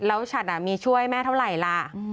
แล้วฉัดมีช่วยแม่เท่าไหร่ล่ะ